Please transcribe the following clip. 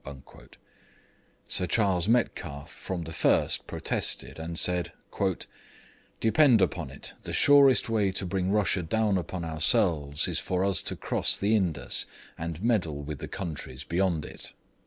Sir Charles Metcalfe from the first protested, and said, 'Depend upon it, the surest way to bring Russia down upon ourselves is for us to cross the Indus and meddle with the countries beyond it.'